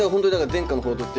伝家の宝刀です。